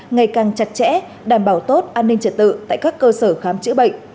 ngày càng chặt chẽ đảm bảo tốt an ninh trật tự tại các cơ sở khám chữa bệnh